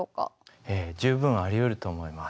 十分ありうると思います。